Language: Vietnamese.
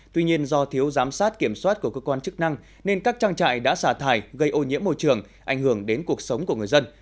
tuy nhiên do thiếu giám sát kiểm soát của cơ quan chức năng nên các trang trại đã xả thải gây ô nhiễm môi trường ảnh hưởng đến cuộc sống của người dân